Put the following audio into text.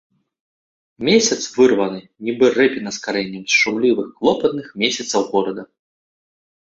Месяц вырваны, нібы рэпіна з карэннем, з шумлівых клопатных месяцаў горада.